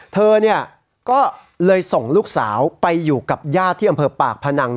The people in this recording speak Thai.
เธอเนี่ยก็เลยส่งลูกสาวไปอยู่กับย่าที่อำเผลอปากพนัง